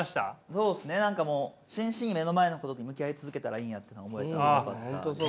そうですね何かもう真摯に目の前のことに向き合い続けたらいいんやって思えたんでよかった。